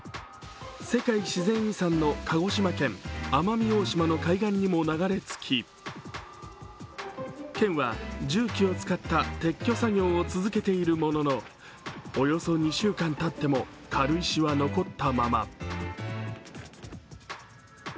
世界自然遺産の鹿児島県奄美大島の海岸にも流れ着き県は重機を使った撤去作業を続けているもののおよそ２週間たっても、軽石は残ったまま。